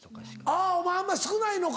あぁお前あんまり少ないのか。